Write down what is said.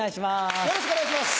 よろしくお願いします。